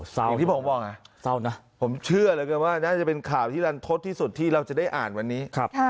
อย่างที่ผมบอกเศร้านะผมเชื่อเหลือเกินว่าน่าจะเป็นข่าวที่รันทศที่สุดที่เราจะได้อ่านวันนี้